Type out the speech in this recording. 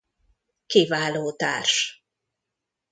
Kiváló társ.